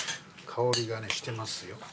香りがねしてますよ。